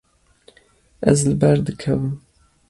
Ez li ber dikevim.